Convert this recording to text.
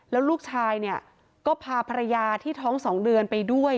แล้วลูกชายเนี่ยก็พาภรรยาที่ท้อง๒เดือนไปด้วย